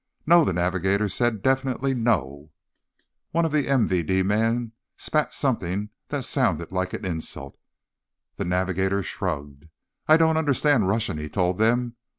"No," the navigator said. "Definitely no." One of the MVD men spat something that sounded like an insult. The navigator shrugged. "I don't understand Russian," he told them.